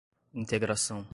integração